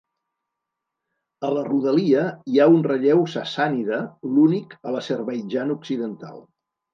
A la rodalia hi ha un relleu sassànida, l'únic a l'Azerbaidjan occidental.